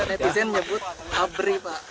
netizen banyak nyebut seperti itu pak